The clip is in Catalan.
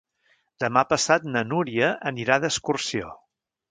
Demà passat na Núria anirà d'excursió.